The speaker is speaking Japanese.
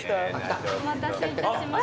お待たせいたしました。